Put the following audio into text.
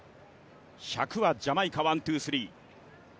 １００はジャマイカワン・ツー・スリー。